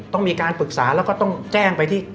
ต้องมีการปรึกษาแล้วก็ต้องแจ้งไปที่